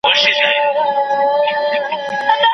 ځینې استادان څېړنه له کره کتني سره ګډوي.